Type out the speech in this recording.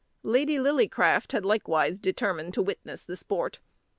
Lady Lillycraft had likewise determined to witness the sport.